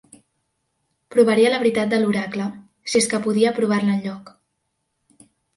Provaria la veritat de l'oracle, si és que podia provar-la enlloc